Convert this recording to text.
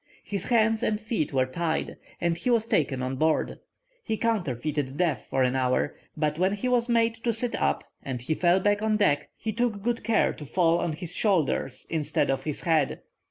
His hands and feet were tied, and he was taken on board. He counterfeited death for an hour, but when he was made to sit up, and he fell back on deck, he took good care to fall on his shoulders instead of his head.